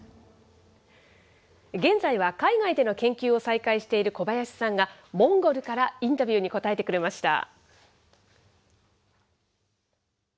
現在は海外での研究を再開している小林さんが、モンゴルからインタビューに答えてくれました。